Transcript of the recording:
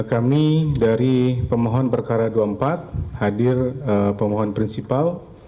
kami dari pemohon perkara dua puluh empat hadir pemohon prinsipal